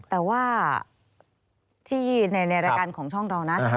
แต่ว่าที่ในรายการของช่องเรานะ